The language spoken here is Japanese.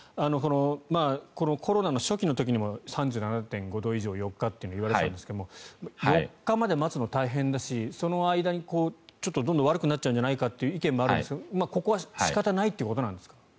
コロナの初期の頃にも３７．５度以上４日というのが言われていたんですが４日というのを待つのが大変だしその間にちょっとどんどん悪くなっちゃうんじゃないかという意見もありますがここは仕方ないということなんですか？